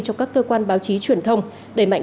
cho các cơ quan báo chí truyền thông đẩy mạnh